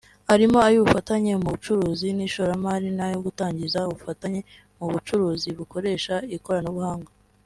arimo ay’ ubufatanye mu bucuruzi n’ishoramari n’ayo gutangiza ubufatanye mu bucuruzi bukoresha ikoranabuhanga